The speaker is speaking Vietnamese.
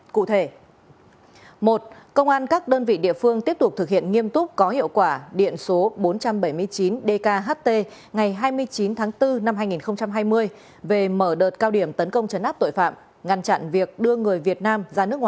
cụ thể một công an các đơn vị địa phương tiếp tục thực hiện nghiêm túc có hiệu quả điện số bốn trăm bảy mươi chín dkht ngày hai mươi chín tháng bốn năm hai nghìn hai mươi